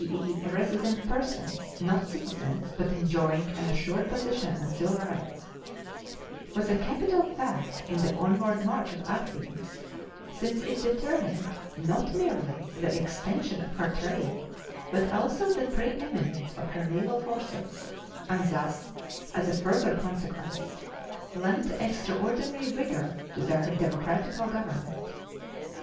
e.,_ resident persons, not citizens, but enjoying an assured position and civil rights), was a capital fact in the onward march of Athens, since it determined not merely the extension of her trade, but also the preëminence of her naval forces and thus, as a further consequence, lent extraordinary vigor to her democratical government.